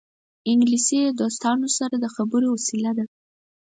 انګلیسي د دوستانو سره د خبرو وسیله ده